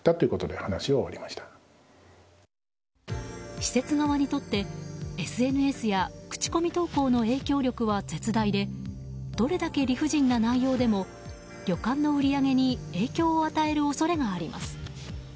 施設側にとって、ＳＮＳや口コミ投稿の影響力は絶大でどれだけ理不尽な内容でも旅館の売り上げに影響を与える恐れがあります。